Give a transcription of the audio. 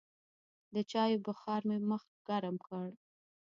د چايو بخار مې مخ ګرم کړ.